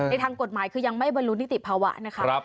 ทางกฎหมายคือยังไม่บรรลุนิติภาวะนะคะ